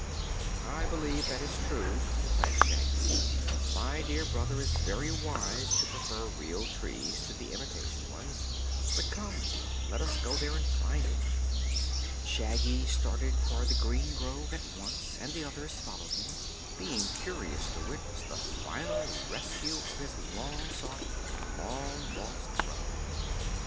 "I believe that is true," declared Shaggy. "My dear brother is very wise to prefer real trees to the imitation ones. But come; let us go there and find him." Shaggy started for the green grove at once, and the others followed him, being curious to witness the final rescue of his long sought, long lost brother.